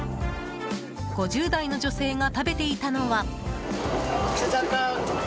５０代の女性が食べていたのは。